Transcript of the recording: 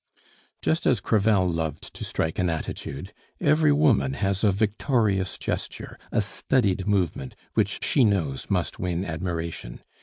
Just as Crevel loved to strike an attitude, every woman has a victorious gesture, a studied movement, which she knows must win admiration.